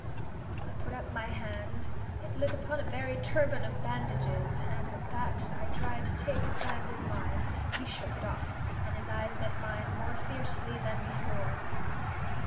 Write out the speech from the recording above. I put up my hand; it lit upon a very turban of bandages, and at that I tried to take his hand in mine. He shook it off, and his eyes met mine more fiercely than before.